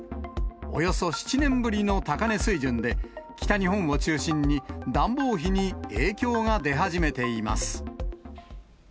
およそ７年ぶりの高値水準で、北日本を中心に暖房費に影響が出始めています。